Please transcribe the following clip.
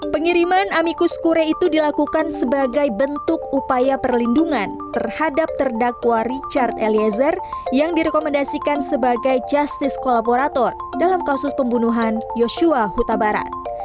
pengiriman amikus kure itu dilakukan sebagai bentuk upaya perlindungan terhadap terdakwa richard eliezer yang direkomendasikan sebagai justice kolaborator dalam kasus pembunuhan yosua huta barat